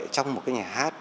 trong một cái nhà hát